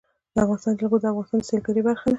د افغانستان جلکو د افغانستان د سیلګرۍ برخه ده.